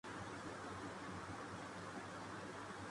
ایسا کیوں ہے؟